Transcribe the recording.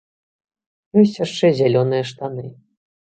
Ёсць яшчэ зялёныя штаны.